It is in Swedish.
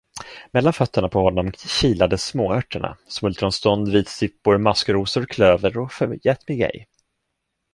Mellan fötterna på honom kilade småörterna: smultronstånd, vitsippor, maskrosor, klöver och förgätmigej.